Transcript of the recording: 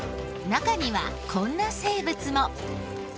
中にはこんな生物も。